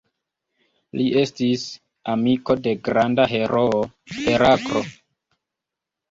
Li estis amiko de granda heroo Heraklo.